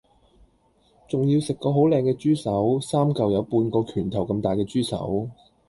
仲要食左好靚既豬手三舊有半個拳頭咁大既豬手